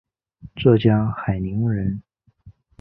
浙江海宁人。